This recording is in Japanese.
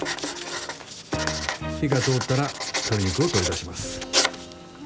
火が通ったら鶏肉を取り出します。